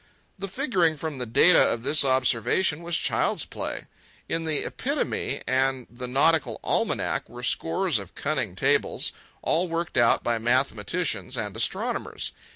The figuring from the data of this observation was child's play. In the "Epitome" and the "Nautical Almanac" were scores of cunning tables, all worked out by mathematicians and astronomers.